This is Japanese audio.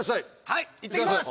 いってきます！